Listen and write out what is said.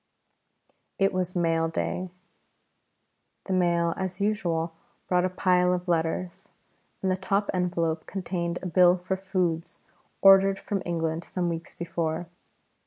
It was mail day. The mail as usual brought a pile of letters, and the top envelope contained a bill for foods ordered from England some weeks before.